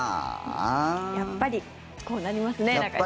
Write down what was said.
やっぱり、こうなりますね中居さん。